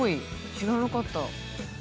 知らなかった。